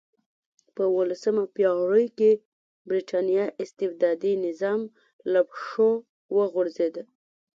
په اولسمه پېړۍ کې برېټانیا استبدادي نظام له پښو وغورځېد.